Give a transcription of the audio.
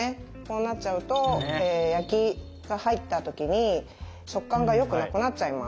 こうなっちゃうと焼きが入った時に食感がよくなくなっちゃいます。